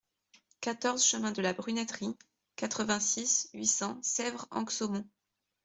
quatorze chemin de la Brunetterie, quatre-vingt-six, huit cents, Sèvres-Anxaumont